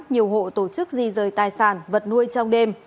nhiều hộ tổ chức di rời tài sản vật nuôi trong đêm